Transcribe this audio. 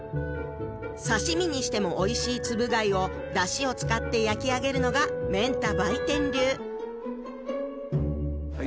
刺し身にしてもおいしい「つぶ貝」をダシを使って焼き上げるのが免田売店流はい